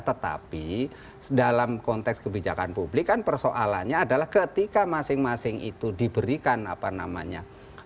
tetapi dalam konteks kebijakan publik kan persoalannya adalah ketika masing masing itu diberikan apa namanya